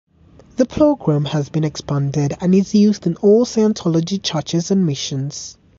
"The program has been expanded and is used in all Scientology churches and missions".